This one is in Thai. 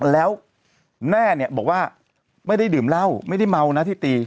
แล้วแม่เนี่ยบอกว่าไม่ได้ดื่มเหล้าไม่ได้เมานะที่ตี